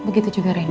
begitu juga randy